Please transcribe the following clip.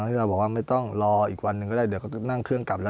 ที่เราบอกว่าไม่ต้องรออีกวันหนึ่งก็ได้เดี๋ยวก็นั่งเครื่องกลับแล้ว